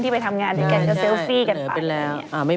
ที่ไปทำงานด้วยกันก็เซลฟี่กันไป